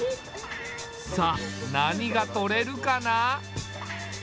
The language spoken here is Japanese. さあ何がとれるかな？